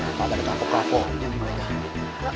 nggak ada kapok kapoknya nih mereka